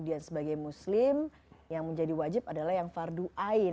jadi agama kita sebagai muslim yang menjadi wajib adalah yang fardu ain